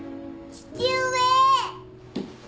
父上！